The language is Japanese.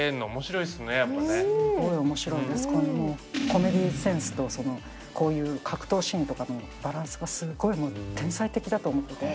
コメディーセンスとこういう格闘シーンとかのバランスがすごい天才的だと思ってて。